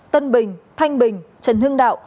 tân bình thanh bình trần hưng đạo